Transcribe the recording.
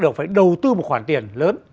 đều phải đầu tư một khoản tiền lớn